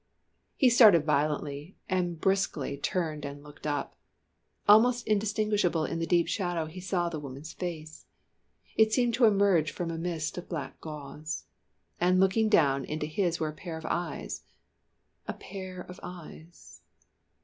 He started violently, and brusquely turned and looked up. Almost indistinguishable in the deep shadow he saw the woman's face. It seemed to emerge from a mist of black gauze. And looking down into his were a pair of eyes a pair of eyes.